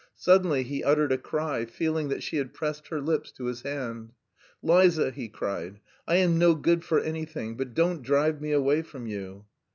Suddenly he uttered a cry, feeling that she had pressed her lips to his hand. "Liza," he cried, "I am no good for anything, but don't drive me away from you!"